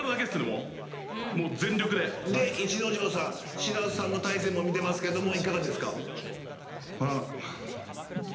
もうもう全力でで逸ノ城さんしらすさんの対戦も見てますけどもいかがですか？